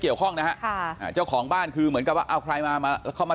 เกี่ยวข้องนะฮะค่ะอ่าเจ้าของบ้านคือเหมือนกับว่าเอาใครมามาเข้ามา